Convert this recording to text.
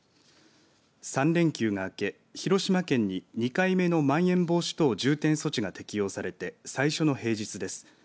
３連休が明け、広島県に２回目のまん延防止等重点措置が適用されて最初の平日です。